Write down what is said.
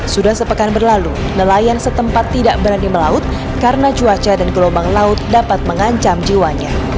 sudah sepekan berlalu nelayan setempat tidak berani melaut karena cuaca dan gelombang laut dapat mengancam jiwanya